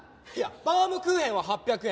バウムクーヘンは８００円